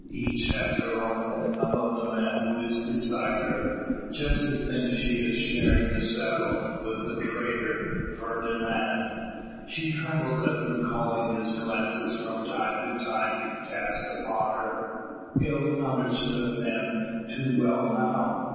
Each has her own about the man who is beside her. Jessie thinks she is sharing the saddle with the traitor, Fernand. She trembles at recalling his glances from time to time cast upon her ill understood then, too well now.